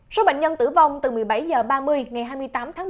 số bệnh nhân tử vong từ một mươi bảy h ba mươi ngày hai mươi tám tháng một mươi